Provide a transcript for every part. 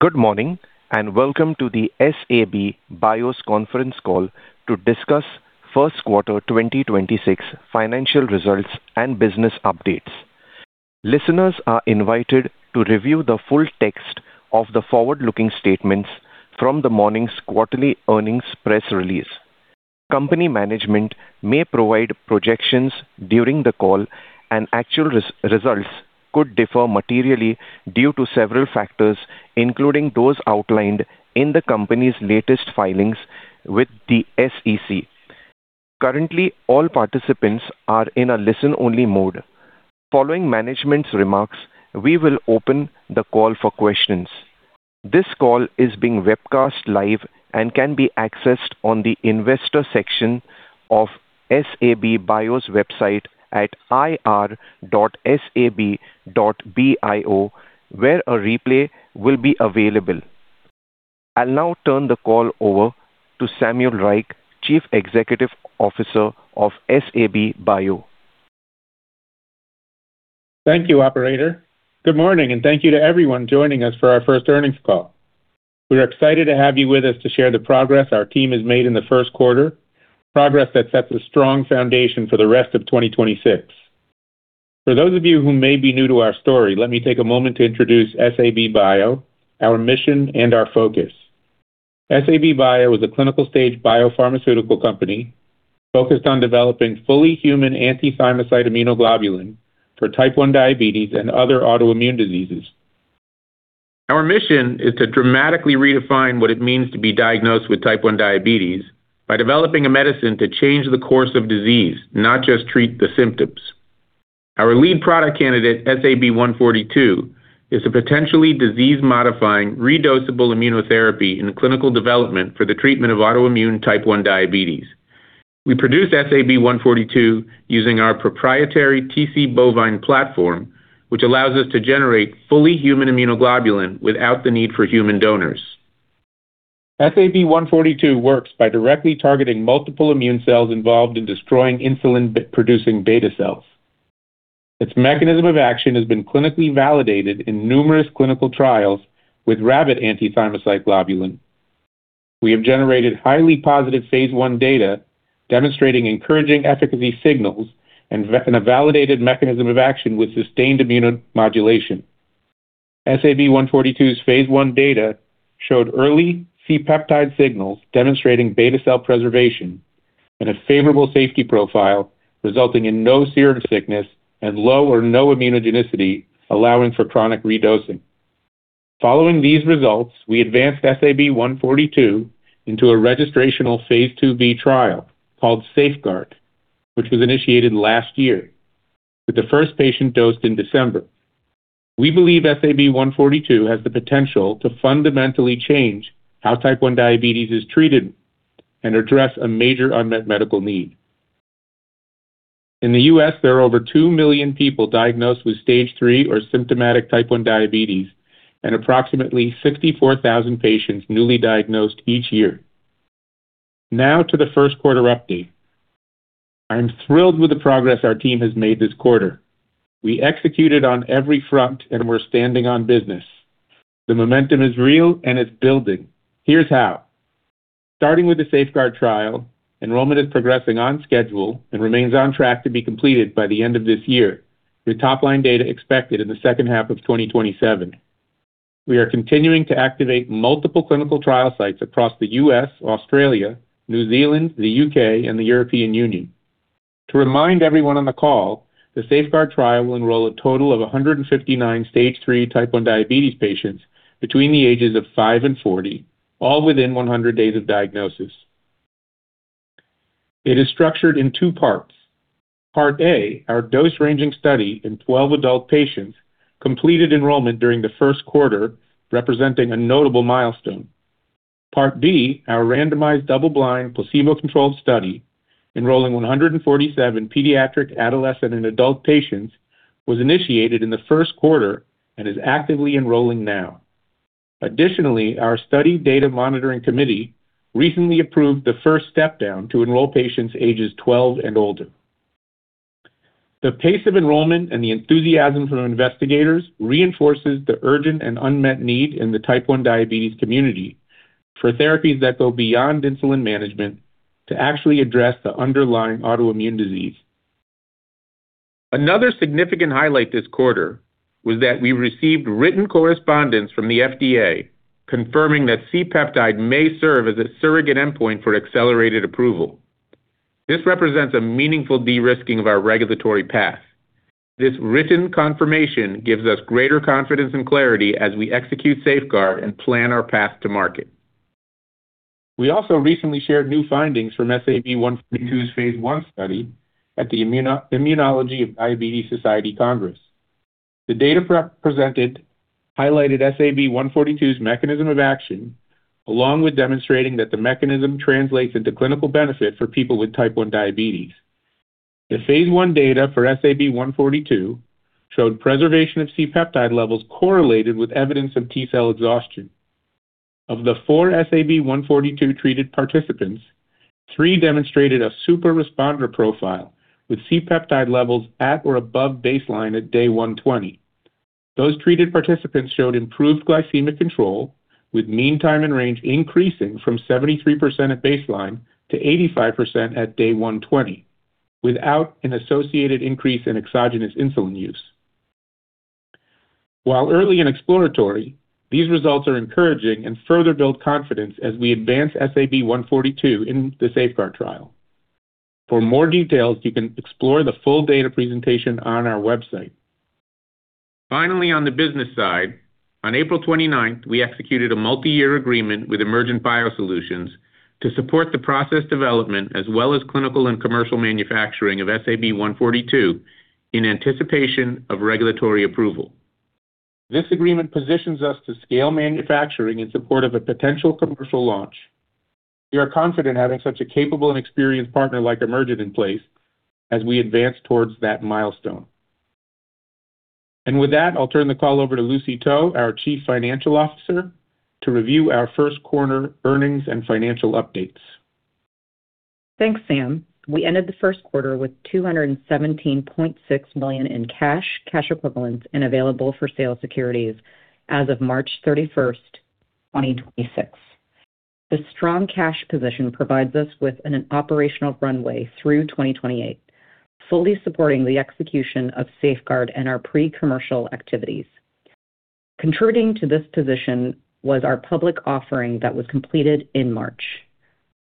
Good morning, welcome to the SAB BIO's conference call to discuss first quarter 2026 financial results and business updates. Listeners are invited to review the full text of the forward-looking statements from the morning's quarterly earnings press release. Company management may provide projections during the call and actual results could differ materially due to several factors, including those outlined in the company's latest filings with the SEC. Currently, all participants are in a listen-only mode. Following management's remarks, we will open the call for questions. This call is being webcast live and can be accessed on the investor section of SAB BIO's website at ir.sab.bio, where a replay will be available. I'll now turn the call over to Samuel Reich, Chief Executive Officer of SAB BIO. Thank you, Operator. Good morning. Thank you to everyone joining us for our first earnings call. We are excited to have you with us to share the progress our team has made in the first quarter, progress that sets a strong foundation for the rest of 2026. For those of you who may be new to our story, let me take a moment to introduce SAB BIO, our mission, and our focus. SAB BIO is a clinical stage biopharmaceutical company focused on developing fully human anti-thymocyte immunoglobulin for type 1 diabetes and other autoimmune diseases. Our mission is to dramatically redefine what it means to be diagnosed with type 1 diabetes by developing a medicine to change the course of disease, not just treat the symptoms. Our lead product candidate, SAB-142, is a potentially disease-modifying re-dosable immunotherapy in clinical development for the treatment of autoimmune type 1 diabetes. We produce SAB-142 using our proprietary Tc-Bovine platform, which allows us to generate fully human immunoglobulin without the need for human donors. SAB-142 works by directly targeting multiple immune cells involved in destroying insulin-producing beta cells. Its mechanism of action has been clinically validated in numerous clinical trials with rabbit anti-thymocyte globulin. We have generated highly positive phase I data demonstrating encouraging efficacy signals and a validated mechanism of action with sustained immunomodulation. SAB-142's phase I data showed early C-peptide signals demonstrating beta cell preservation and a favorable safety profile, resulting in no serum sickness and low or no immunogenicity, allowing for chronic re-dosing. Following these results, we advanced SAB-142 into a registrational phase II-B trial called SAFEGUARD, which was initiated last year, with the first patient dosed in December. We believe SAB-142 has the potential to fundamentally change how type 1 diabetes is treated and address a major unmet medical need. In the U.S., there are over 2 million people diagnosed with Stage 3 or symptomatic type 1 diabetes and approximately 64,000 patients newly diagnosed each year. Now to the first quarter update. I'm thrilled with the progress our team has made this quarter. We executed on every front, and we're standing on business. The momentum is real, and it's building. Here's how. Starting with the SAFEGUARD trial, enrollment is progressing on schedule and remains on track to be completed by the end of this year, with top-line data expected in the second half of 2027. We are continuing to activate multiple clinical trial sites across the U.S., Australia, New Zealand, the U.K., and the European Union. To remind everyone on the call, the SAFEGUARD trial will enroll a total of 159 Stage 3 type 1 diabetes patients between the ages of five and 40, all within 100 days of diagnosis. It is structured in two parts. Part A, our dose ranging study in 12 adult patients, completed enrollment during the first quarter, representing a notable milestone. Part B, our randomized double-blind, placebo-controlled study enrolling 147 pediatric, adolescent, and adult patients, was initiated in the first quarter and is actively enrolling now. Additionally, our study data monitoring committee recently approved the first step down to enroll patients ages 12 and older. The pace of enrollment and the enthusiasm from investigators reinforces the urgent and unmet need in the type 1 diabetes community for therapies that go beyond insulin management to actually address the underlying autoimmune disease. Another significant highlight this quarter was that we received written correspondence from the FDA confirming that C-peptide may serve as a surrogate endpoint for accelerated approval. This represents a meaningful de-risking of our regulatory path. This written confirmation gives us greater confidence and clarity as we execute SAFEGUARD and plan our path to market. We also recently shared new findings from SAB-142's phase I study at the Immunology of Diabetes Society Congress. The data presented highlighted SAB-142's mechanism of action, along with demonstrating that the mechanism translates into clinical benefit for people with type 1 diabetes. The phase I data for SAB-142 showed preservation of C-peptide levels correlated with evidence of T-cell exhaustion. Of the four SAB-142 treated participants, three demonstrated a super responder profile with C-peptide levels at or above baseline at day 120. Those treated participants showed improved glycemic control, with mean time and range increasing from 73% at baseline to 85% at day 120 without an associated increase in exogenous insulin use. While early and exploratory, these results are encouraging and further build confidence as we advance SAB-142 in the SAFEGUARD trial. For more details, you can explore the full data presentation on our website. Finally, on the business side, on April 29th, we executed a multi-year agreement with Emergent BioSolutions to support the process development as well as clinical and commercial manufacturing of SAB-142 in anticipation of regulatory approval. This agreement positions us to scale manufacturing in support of a potential commercial launch. We are confident having such a capable and experienced partner like Emergent in place as we advance towards that milestone. With that, I'll turn the call over to Lucy To, our Chief Financial Officer, to review our first quarter earnings and financial updates. Thanks, Sam. We ended the first quarter with $217.6 million in cash equivalents, and available for sale securities as of March 31st, 2026. The strong cash position provides us with an operational runway through 2028, fully supporting the execution of SAFEGUARD and our pre-commercial activities. Contrasting to this position was our public offering that was completed in March.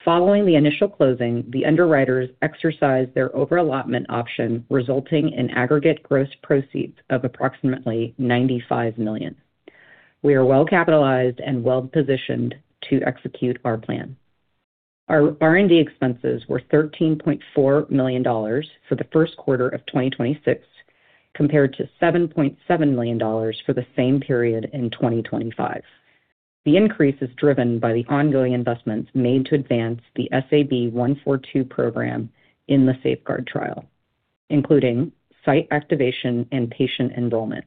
Following the initial closing, the underwriters exercised their overallotment option, resulting in aggregate gross proceeds of approximately $95 million. We are well capitalized and well-positioned to execute our plan. Our R&D expenses were $13.4 million for the first quarter of 2026, compared to $7.7 million for the same period in 2025. The increase is driven by the ongoing investments made to advance the SAB-142 program in the SAFEGUARD trial, including site activation and patient enrollment.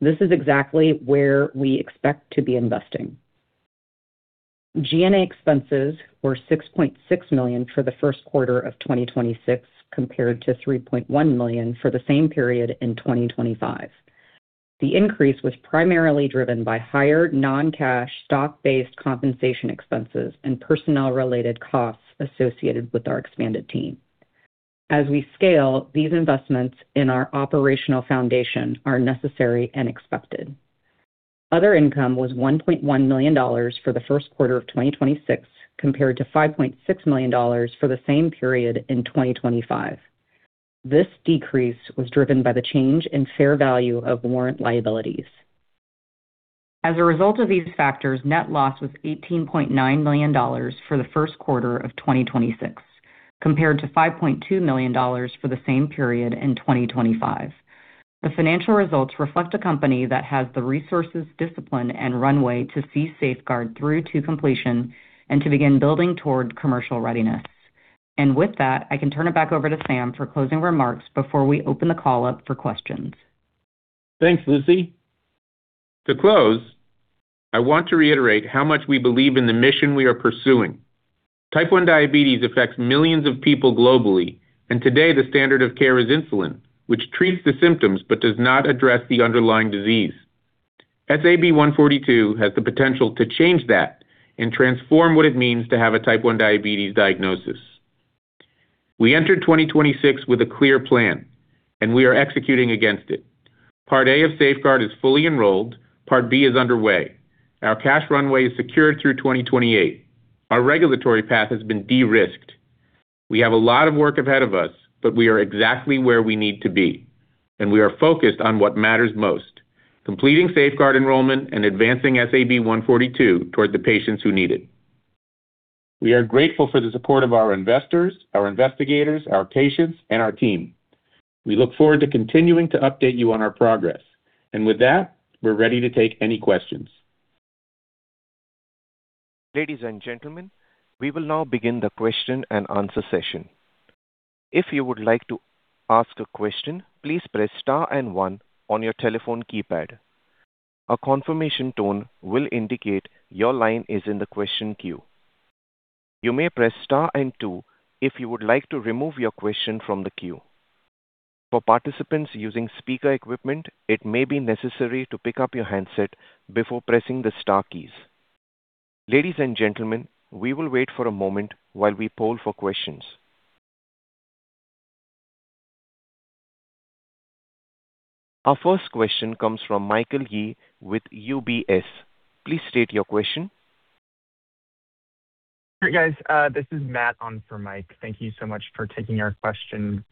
This is exactly where we expect to be investing. G&A expenses were $6.6 million for the first quarter of 2026, compared to $3.1 million for the same period in 2025. The increase was primarily driven by higher non-cash stock-based compensation expenses and personnel-related costs associated with our expanded team. As we scale, these investments in our operational foundation are necessary and expected. Other income was $1.1 million for the first quarter of 2026, compared to $5.6 million for the same period in 2025. This decrease was driven by the change in fair value of warrant liabilities. As a result of these factors, net loss was $18.9 million for the first quarter of 2026, compared to $5.2 million for the same period in 2025. The financial results reflect a company that has the resources, discipline, and runway to see SAFEGUARD through to completion and to begin building toward commercial readiness. With that, I can turn it back over to Sam for closing remarks before we open the call up for questions. Thanks, Lucy. To close, I want to reiterate how much we believe in the mission we are pursuing. Type 1 diabetes affects millions of people globally, and today the standard of care is insulin, which treats the symptoms but does not address the underlying disease. SAB-142 has the potential to change that and transform what it means to have a type 1 diabetes diagnosis. We entered 2026 with a clear plan, and we are executing against it. Part A of SAFEGUARD is fully enrolled. Part B is underway. Our cash runway is secured through 2028. Our regulatory path has been de-risked. We have a lot of work ahead of us, but we are exactly where we need to be, and we are focused on what matters most, completing SAFEGUARD enrollment and advancing SAB-142 toward the patients who need it. We are grateful for the support of our investors, our investigators, our patients, and our team. We look forward to continuing to update you on our progress. With that, we're ready to take any questions. Ladies and gentlemen, we will now begin the question and answer session. If you would like to ask a question, please press star and one on your telephone keypad. A confirmation tone will indicate your line is in the question queue. You may press star and two if you would like to remove your question from the queue. For participants using speaker equipment, it may be necessary to pick up your handset before pressing the star keys. Ladies and gentlemen, we will wait for a moment while we poll for questions. Our first question comes from Michael Yee with UBS. Please state your question. Hey, guys. This is Matt on for Mike. Thank you so much for taking our question.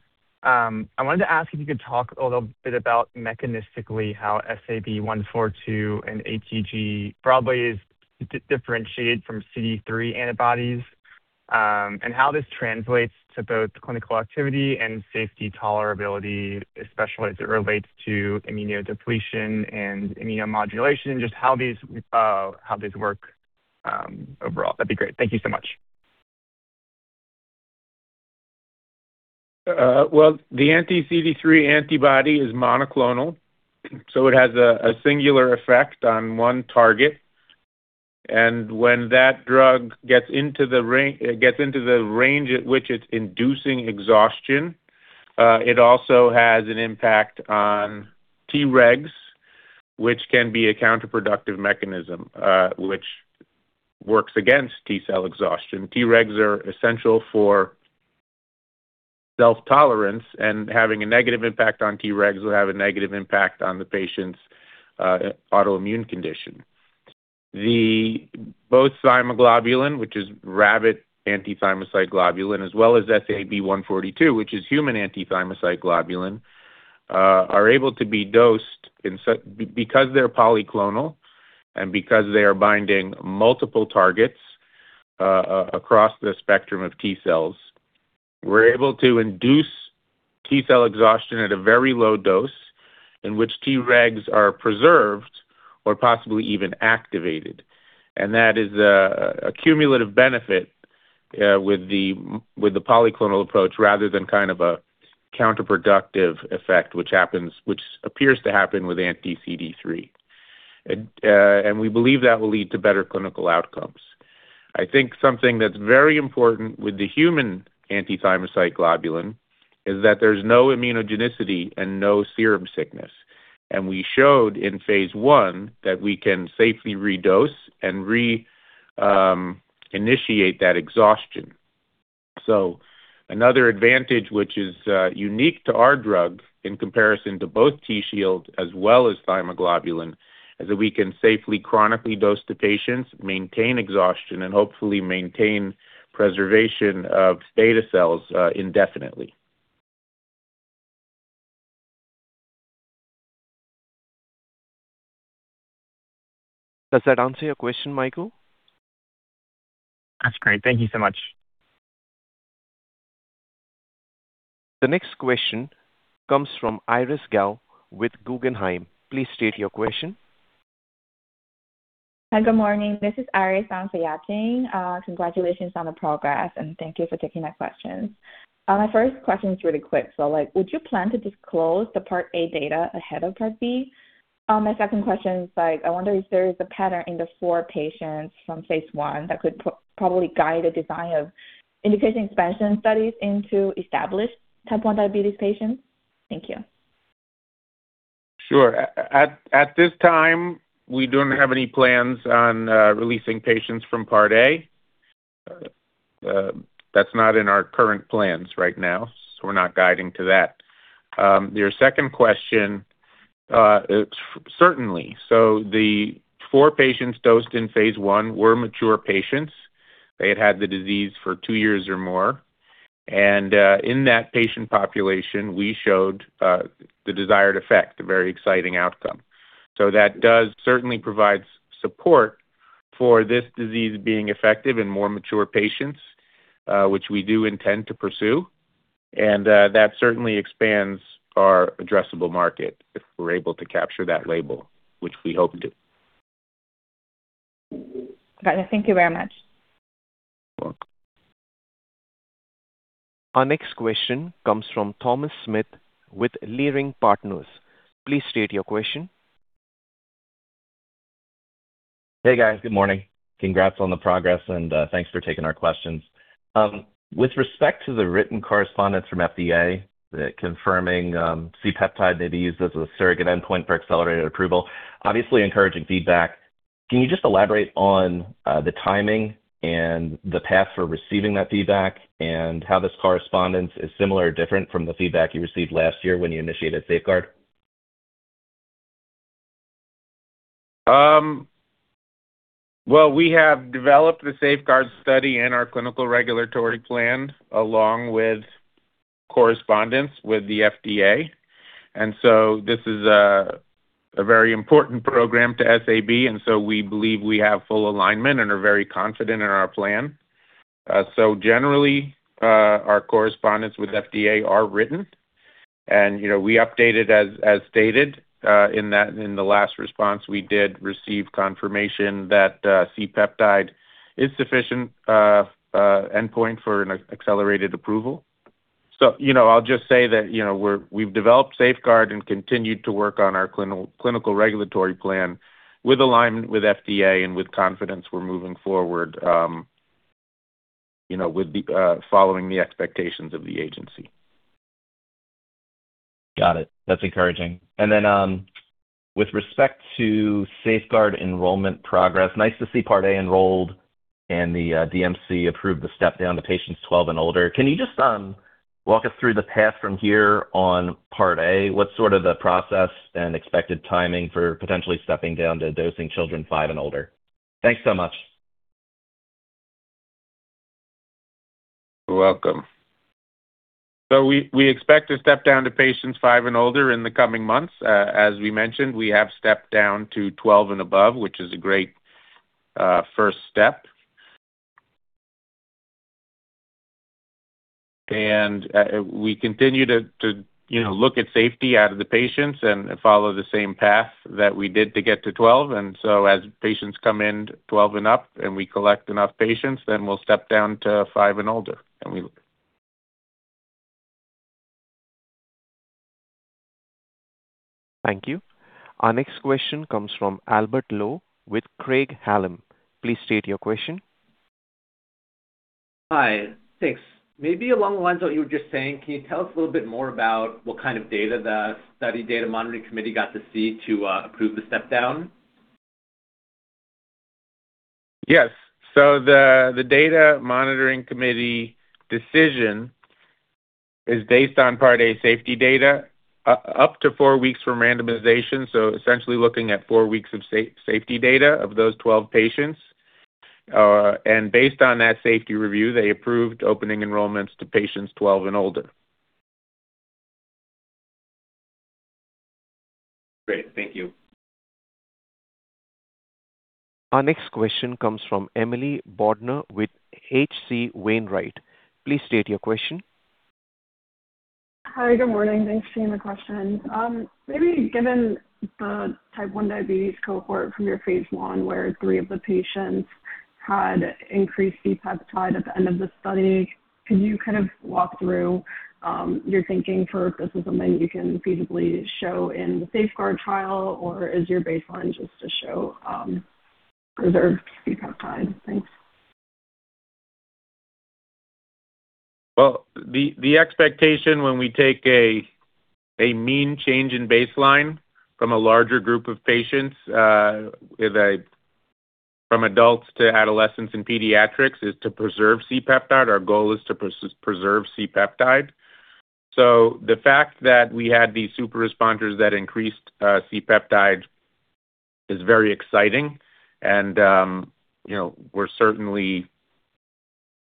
I wanted to ask if you could talk a little bit about mechanistically how SAB-142 and ATG probably is differentiated from CD3 antibodies, and how this translates to both clinical activity and safety tolerability, especially as it relates to immunodepletion and immunomodulation. Just how these work overall. That'd be great. Thank you so much. Well, the anti-CD3 antibody is monoclonal, so it has a singular effect on one target. When that drug gets into the range at which it's inducing exhaustion, it also has an impact on Tregs, which can be a counterproductive mechanism, which works against T cell exhaustion. Tregs are essential for self-tolerance, and having a negative impact on Tregs will have a negative impact on the patient's autoimmune condition. The both Thymoglobulin, which is rabbit anti-thymocyte globulin, as well as SAB-142, which is human anti-thymocyte globulin, are able to be dosed because they're polyclonal and because they are binding multiple targets across the spectrum of T cells, we're able to induce T cell exhaustion at a very low dose in which Tregs are preserved or possibly even activated. That is a cumulative benefit with the polyclonal approach rather than kind of a counterproductive effect, which happens, which appears to happen with anti-CD3. We believe that will lead to better clinical outcomes. I think something that's very important with the human anti-thymocyte globulin is that there's no immunogenicity and no serum sickness. We showed in phase I that we can safely redose and initiate that exhaustion. Another advantage which is unique to our drug in comparison to both Tzield as well as Thymoglobulin, is that we can safely chronically dose the patients, maintain exhaustion, and hopefully maintain preservation of beta cells indefinitely. Does that answer your question, Michael? That's great. Thank you so much. The next question comes from Iris Gao with Guggenheim. Please state your question. Hi. Good morning. This is Iris on for Yatin. Congratulations on the progress, and thank you for taking my questions. My first question is really quick. Like, would you plan to disclose the Part A data ahead of Part B? My second question is, like, I wonder if there is a pattern in the four patients from phase I that could probably guide the design of indication expansion studies into established type 1 diabetes patients. Thank you. Sure. At this time, we don't have any plans on releasing patients from Part A. That's not in our current plans right now, we're not guiding to that. Your second question, certainly. The four patients dosed in phase I were mature patients. They had had the disease for two years or more. In that patient population, we showed the desired effect, a very exciting outcome. That does certainly provide support for this disease being effective in more mature patients, which we do intend to pursue. That certainly expands our addressable market if we're able to capture that label, which we hope to. Got it. Thank you very much. You're welcome. Our next question comes from Thomas Smith with Leerink Partners. Please state your question. Hey, guys. Good morning. Congrats on the progress, thanks for taking our questions. With respect to the written correspondence from FDA confirming C-peptide may be used as a surrogate endpoint for accelerated approval, obviously encouraging feedback. Can you just elaborate on the timing and the path for receiving that feedback and how this correspondence is similar or different from the feedback you received last year when you initiated SAFEGUARD? Well, we have developed the SAFEGUARD study in our clinical regulatory plan along with correspondence with the FDA. This is a very important program to SAB, and so we believe we have full alignment and are very confident in our plan. Generally, our correspondence with FDA are written. You know, we updated as stated in that, in the last response. We did receive confirmation that C-peptide is sufficient endpoint for an accelerated approval. You know, we've developed SAFEGUARD and continued to work on our clinical regulatory plan with alignment with FDA and with confidence we're moving forward, you know, with the following the expectations of the agency. Got it. That's encouraging. With respect to SAFEGUARD enrollment progress, nice to see Part A enrolled and the DMC approved the step-down to patients 12 and older. Can you just walk us through the path from here on Part A? What's sort of the process and expected timing for potentially stepping down to dosing children five and older? Thanks so much. You're welcome. We expect to step down to patients five and older in the coming months. As we mentioned, we have stepped down to 12 and above, which is a great first step. We continue to, you know, look at safety out of the patients and follow the same path that we did to get to 12. As patients come in 12 and up and we collect enough patients, then we'll step down to five and older, and we- Thank you. Our next question comes from Albert Lowe with Craig-Hallum. Please state your question. Hi. Thanks. Maybe along the lines of what you were just saying, can you tell us a little bit more about what kind of data the study data monitoring committee got to see to approve the step-down? Yes. The data monitoring committee decision is based on Part A safety data up to four weeks from randomization, so essentially looking at four weeks of safety data of those 12 patients. Based on that safety review, they approved opening enrollments to patients 12 and older. Great. Thank you. Our next question comes from Emily Bodnar with H.C. Wainwright. Please state your question. Hi. Good morning. Thanks for taking the question. Maybe given the type 1 diabetes cohort from your phase I, where three of the patients had increased C-peptide at the end of the study, can you kind of walk through your thinking for if this is something you can feasibly show in the SAFEGUARD trial, or is your baseline just to show preserved C-peptide? Thanks. Well, the expectation when we take a mean change in baseline from a larger group of patients with a from adults to adolescents and pediatrics, is to preserve C-peptide. Our goal is to preserve C-peptide. The fact that we had these super responders that increased C-peptide is very exciting and, you know, we're certainly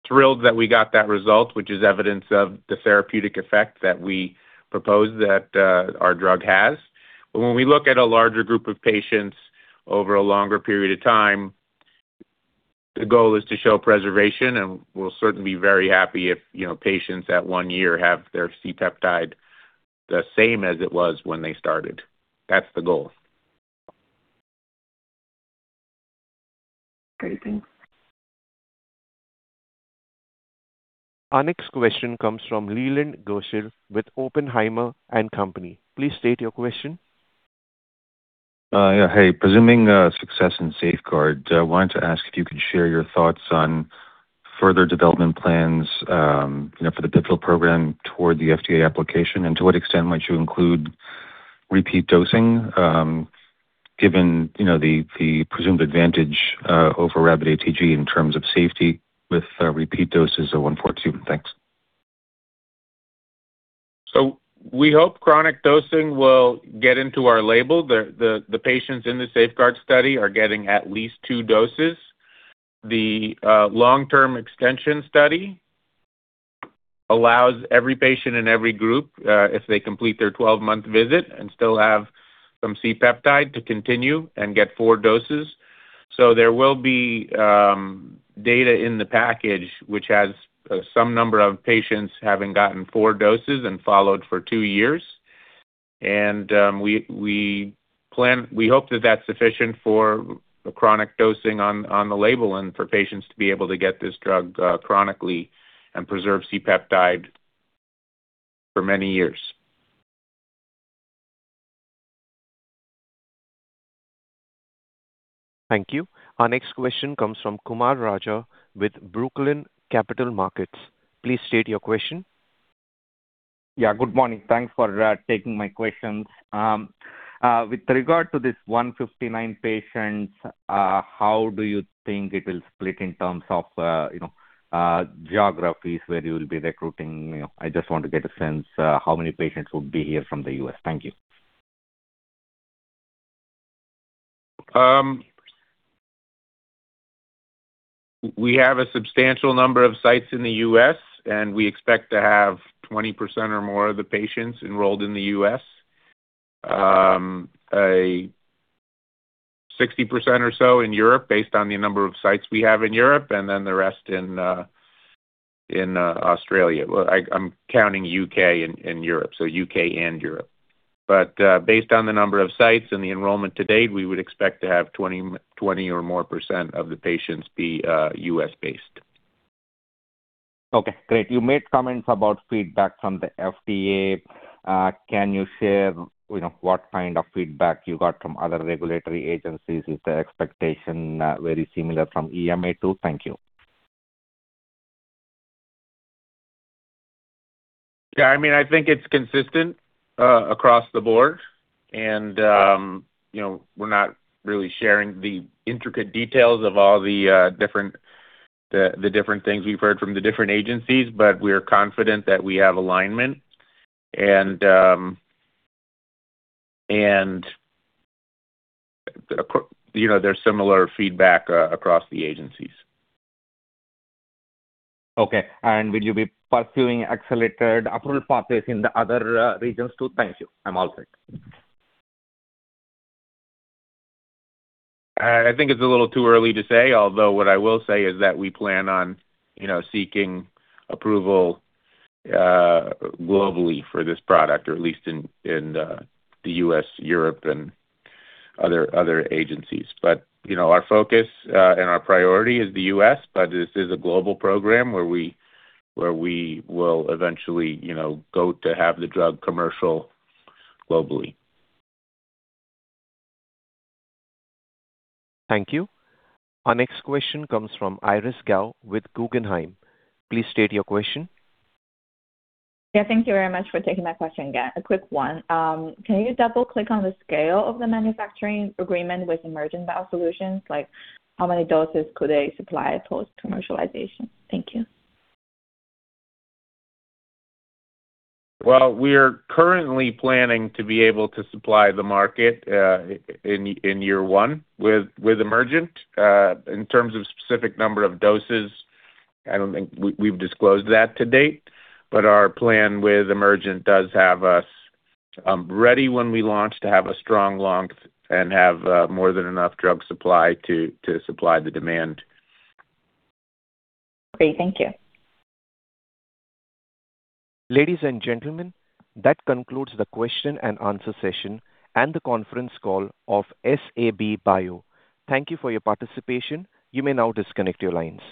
thrilled that we got that result, which is evidence of the therapeutic effect that we propose that our drug has. When we look at a larger group of patients over a longer period of time, the goal is to show preservation, and we'll certainly be very happy if, you know, patients at one year have their C-peptide the same as it was when they started. That's the goal. Great. Thanks. Our next question comes from Leland Gershell with Oppenheimer & Co. Please state your question. Yeah. Hey. Presuming success in SAFEGUARD, I wanted to ask if you could share your thoughts on further development plans, you know, for the pivotal program toward the FDA application. To what extent might you include repeat dosing, given, you know, the presumed advantage over rabbit ATG in terms of safety with repeat doses of 142? Thanks. We hope chronic dosing will get into our label. The patients in the SAFEGUARD study are getting at least two doses. The long-term extension study allows every patient in every group, if they complete their 12-month visit and still have some C-peptide, to continue and get four doses. There will be data in the package which has some number of patients having gotten four doses and followed for two years. We hope that that's sufficient for chronic dosing on the label and for patients to be able to get this drug chronically and preserve C-peptide for many years. Thank you. Our next question comes from Kumar Raja with Brookline Capital Markets. Please state your question. Yeah. Good morning. Thanks for taking my questions. With regard to this 159 patients, how do you think it will split in terms of, you know, geographies where you'll be recruiting? You know, I just want to get a sense, how many patients would be here from the U.S. Thank you. We have a substantial number of sites in the U.S., and we expect to have 20% or more of the patients enrolled in the U.S. 60% or so in Europe, based on the number of sites we have in Europe, and then the rest in Australia. Well, I'm counting U.K. in Europe, so U.K. and Europe. Based on the number of sites and the enrollment to date, we would expect to have 20% or more of the patients be U.S.-based. Okay. Great. You made comments about feedback from the FDA. Can you share, you know, what kind of feedback you got from other regulatory agencies? Is the expectation very similar from EMA too? Thank you. Yeah, I mean, I think it's consistent across the board. You know, we're not really sharing the intricate details of all the different things we've heard from the different agencies, but we're confident that we have alignment and, you know, there's similar feedback across the agencies. Okay. Will you be pursuing accelerated approval process in the other regions too? Thank you. I'm all through. I think it's a little too early to say, although what I will say is that we plan on, you know, seeking approval globally for this product or at least in the U.S., Europe, and other agencies. You know, our focus and our priority is the U.S., but this is a global program where we will eventually, you know, go to have the drug commercial globally. Thank you. Our next question comes from Iris Gao with Guggenheim. Please state your question. Yeah. Thank you very much for taking my question again. A quick one. Can you double-click on the scale of the manufacturing agreement with Emergent BioSolutions? Like how many doses could they supply post-commercialization? Thank you. Well, we're currently planning to be able to supply the market, in year one with Emergent. In terms of specific number of doses, I don't think we've disclosed that to date. Our plan with Emergent does have us ready when we launch to have a strong launch and have more than enough drug supply to supply the demand. Great. Thank you. Ladies and gentlemen, that concludes the question and answer session and the conference call of SAB BIO. Thank you for your participation. You may now disconnect your lines.